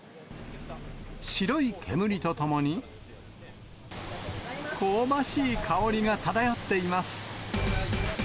白い煙とともに、香ばしい香りが漂っています。